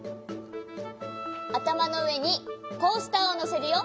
あたまのうえにコースターをのせるよ。